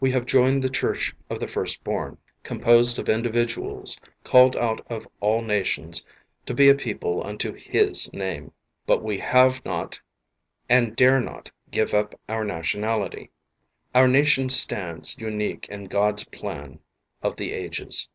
We havf joined the Church of the First Born, composed of individual; called out of all nations to be a people unto His name, but we hav< , not and dare not give " up our nationality. Our nation stand; unique in God's plan of the. ages.